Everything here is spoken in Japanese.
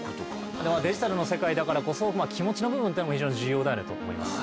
デジタルの世界だからこそ気持ちの部分っていうのも非常に重要であると思います。